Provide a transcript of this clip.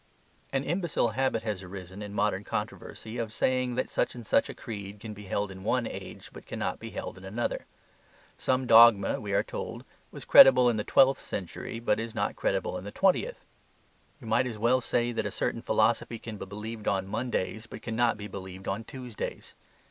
An imbecile habit has arisen in modern controversy of saying that such and such a creed can be held in one age but cannot be held in another. Some dogma, we are told, was credible in the twelfth century, but is not credible in the twentieth. You might as well say that a certain philosophy can be believed on Mondays, but cannot be believed on Tuesdays.